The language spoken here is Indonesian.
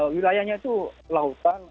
wilayahnya itu lautan